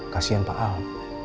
kasian pak al